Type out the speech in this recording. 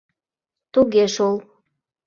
Туге шол!